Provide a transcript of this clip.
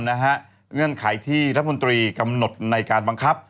เงื่อนไขที่รัฐมนตรีกำหนดในการบังคับ